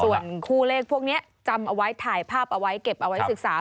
ส่วนคู่เลขพวกนี้จำเอาไว้ถ่ายภาพเอาไว้เก็บเอาไว้ศึกษา